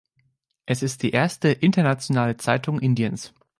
Es ist die erste internationale Zeitung Indiens.